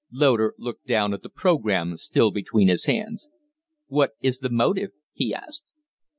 Loder looked down at the programme still between his hands. "What is the motive?" he asked.